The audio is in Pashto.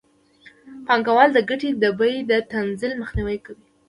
پانګوال د ګټې د بیې د تنزل مخنیوی کوي